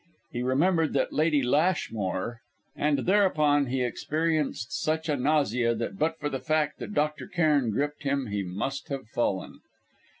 He remembered that Lady Lashmore And thereupon he experienced such a nausea that but for the fact that Dr. Cairn gripped him he must have fallen.